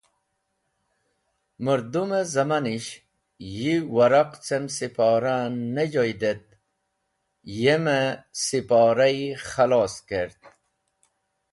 Mũrdũm-e zẽmanish yi waraq cem Siporah en ne joyd et yeme Siporayi khalos kert.